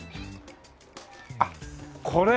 あっこれ！